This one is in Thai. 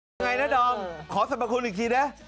อย่างไรนะดอมขอสมบัติคุณอีกทีนะ